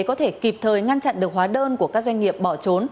có thể kịp thời ngăn chặn được hóa đơn của các doanh nghiệp bỏ trốn